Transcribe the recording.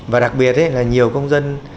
và đặc biệt là nhiều công dân